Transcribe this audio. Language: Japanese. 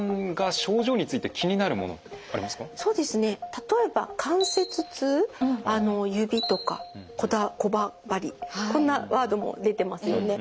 例えば「関節痛」「指」とか「こわばり」こんなワードも出てますよね。